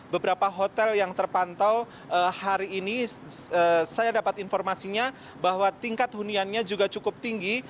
beberapa hotel yang terpantau hari ini saya dapat informasinya bahwa tingkat huniannya juga cukup tinggi